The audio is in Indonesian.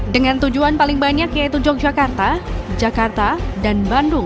dengan tujuan paling banyak yaitu yogyakarta jakarta dan bandung